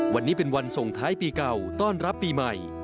วันนี้เป็นวันส่งท้ายปีเก่าต้อนรับปีใหม่